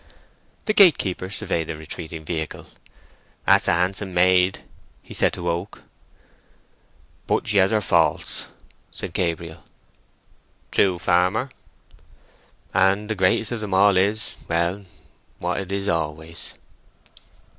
The gatekeeper surveyed the retreating vehicle. "That's a handsome maid," he said to Oak. "But she has her faults," said Gabriel. "True, farmer." "And the greatest of them is—well, what it is always."